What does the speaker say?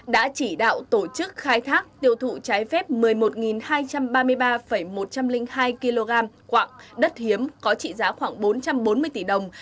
đã chỉ đạo tổ chức khai thác tiêu thụ trái phép một mươi một hai trăm ba mươi ba một trăm linh hai kg quạng đất hiếm có trị giá khoảng bốn trăm bốn mươi tỷ đồng